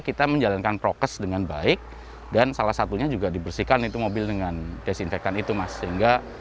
kita menjalankan prokes dengan baik dan salah satunya juga dibersihkan itu mobil dengan desinfektan itu mas sehingga